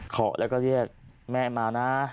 ขอแล้วก็เรียกแม่มานะ